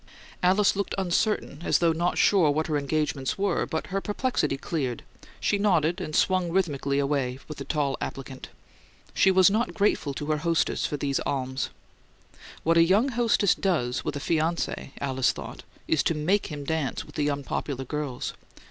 Alice looked uncertain, as though not sure what her engagements were; but her perplexity cleared; she nodded, and swung rhythmically away with the tall applicant. She was not grateful to her hostess for this alms. What a young hostess does with a fiance, Alice thought, is to make him dance with the unpopular girls.